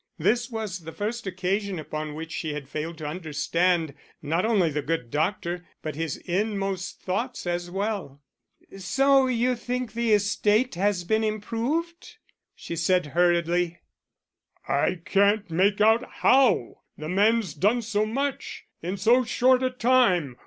This was the first occasion upon which she had failed to understand not only the good doctor, but his inmost thoughts as well. "So you think the estate has been improved?" she said hurriedly. "I can't make out how the man's done so much in so short a time.